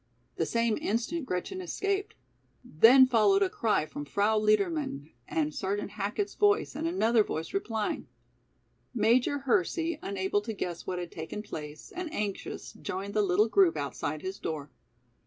The same instant Gretchen escaped. Then followed a cry from Frau Liedermann, and Sergeant Hackett's voice and another voice replying. Major Hersey, unable to guess what had taken place, and anxious, joined the little group outside his door.